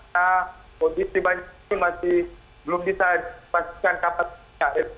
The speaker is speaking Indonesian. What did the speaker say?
nah kondisi banjir masih belum bisa dipastikan kapal